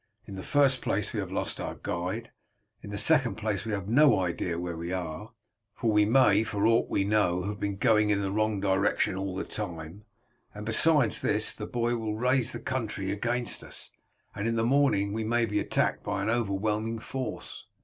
"In the first place we have lost our guide; in the second place we have no idea where we are, for we may for aught we know have been going in the wrong direction all the time; and, besides this, the boy will raise the country against us, and in the morning we may be attacked by an overwhelming force."